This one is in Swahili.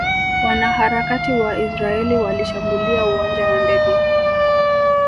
Wanaharakati wa Israeli walishambulia uwanja wa ndege